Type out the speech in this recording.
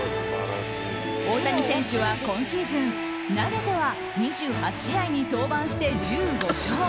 大谷選手は今シーズン投げては２８試合に登板して１５勝。